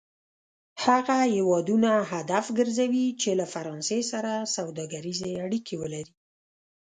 هغه هېوادونه هدف کرځوي چې له فرانسې سره سوداګریزې اړیکې ولري.